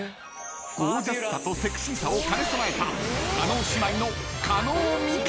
［ゴージャスさとセクシーさを兼ね備えた叶姉妹の］